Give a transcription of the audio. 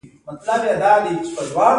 له خبرو انسان یادېږي.